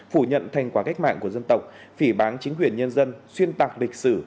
phủ nhận thành quả cách mạng của dân tộc phỉ bán chính quyền nhân dân xuyên tạc lịch sử